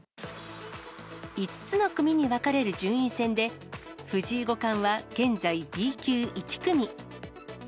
５つの組に分かれる順位戦で、藤井五冠は現在、Ｂ級１組。